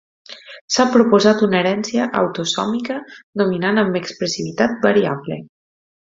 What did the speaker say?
S'ha proposat una herència autosòmica dominant amb expressivitat variable.